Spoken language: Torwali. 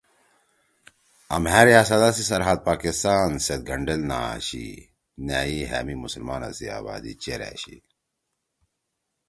آں مھأ ریاستا سی سرحد پاکستان سید گھنڈیل نہ آشی نأ ئی ہأ مے مسلمانا سی آبادی چیر أشی